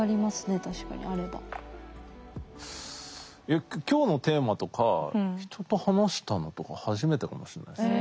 いや今日のテーマとか人と話したのとか初めてかもしれないです。